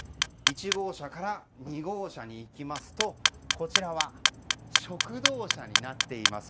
１号車から２号車に行きますとこちらは食堂車になっています。